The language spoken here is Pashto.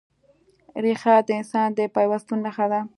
ریښه د انسان د پیوستون نښه ده.